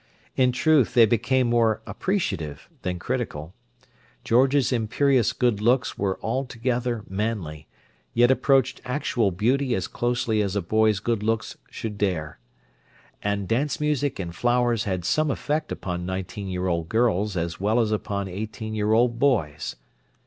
In truth, they became more appreciative than critical. George's imperious good looks were altogether manly, yet approached actual beauty as closely as a boy's good looks should dare; and dance music and flowers have some effect upon nineteen year old girls as well as upon eighteen year old boys.